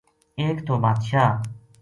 ایک تھو بادشاہ